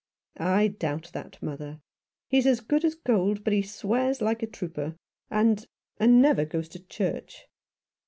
" I doubt that, mother. He's as good as gold, but he swears like a trooper, and — and never goes to church."